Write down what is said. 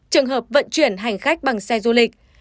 trường hợp vận chuyển hành khách bằng xe du lịch